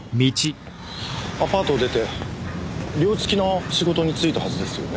アパートを出て寮付きの仕事に就いたはずですよね。